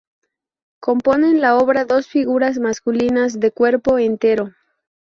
Componen la obra dos figuras masculinas de cuerpo entero.